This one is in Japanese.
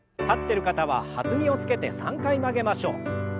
立ってる方は弾みをつけて３回曲げましょう。